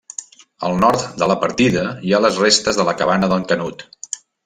Al nord de la partida hi ha les restes de la Cabana del Canut.